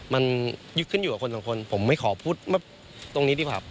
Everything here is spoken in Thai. มันยึดขึ้นอยู่กับคนสองคนผมไม่ขอพูดตรงนี้ดีกว่า